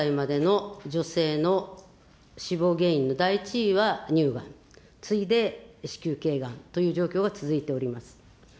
２５歳から４０歳までの女性の死亡原因の第１位は乳がん、次いで子宮けいがんという状況が続いております。